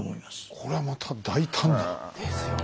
こりゃまた大胆な！ですよね。